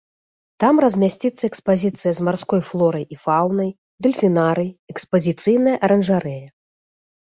Там размясціцца экспазіцыя з марской флорай і фаунай, дэльфінарый, экспазіцыйная аранжарэя.